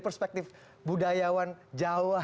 perspektif budayawan jawa